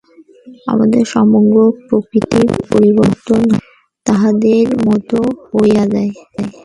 আমাদের সমগ্র প্রকৃতি পরিবর্তিত হয়, তাঁহাদের মত হইয়া যায়।